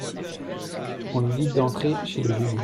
On lui dit d'entrer chez le juge.